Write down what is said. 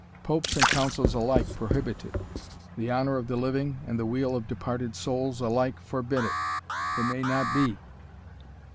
Popes and councils alike prohibit it the honour of the living, and the weal of departed souls, alike forbid it it may not be.